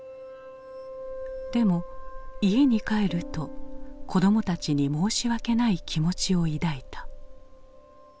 でも家に帰ると子どもたちに申し訳ない気持ちを抱いた。